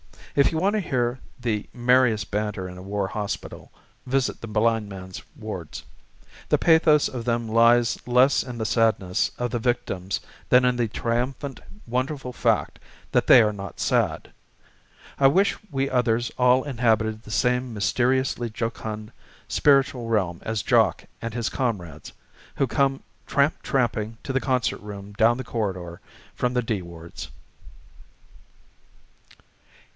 If you want to hear the merriest banter in a war hospital, visit the blind men's wards. The pathos of them lies less in the sadness of the victims than in the triumphant, wonderful fact that they are not sad. I wish we others all inhabited the same mysteriously jocund spiritual realm as Jock and his comrades, who come tramp tramping to the concert room down the corridor from the D wards.